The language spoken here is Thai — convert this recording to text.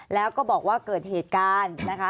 แล้วก็บอกว่าเกิดเหตุการณ์นะคะ